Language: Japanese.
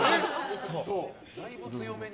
だいぶ強めに。